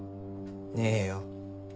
ねえよ。